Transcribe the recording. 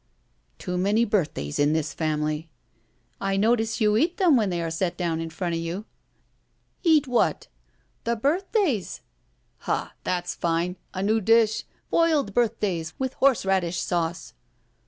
"Too many birthdays in this family." "I notice you eat them when they are set down in front of you!" 241 ROULETTE "Eat what?" •'The birthdays." *'Ha! That's fine! A new dish. Boiled birth days with horseradish sauce."